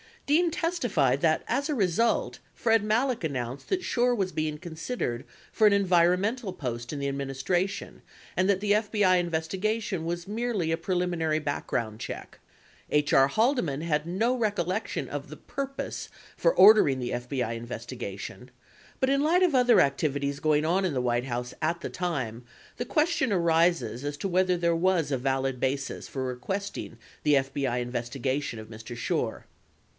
Dean testified that as a result, Fred Malek announced that Schorr was being considered for an environmental post in the administration, and that the FBI investigation was merely a preliminary background check. 92 H. R. Haldeman had no recollection of the purpose for ordering the FBI investigation, but in light of other activities going on in the White House at that time, the question arises as to whether there was a valid basis for requesting the FBI investigation of Mr. Schorr.